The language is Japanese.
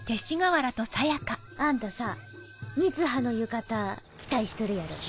あんたさ三葉の浴衣期待しとるやろ。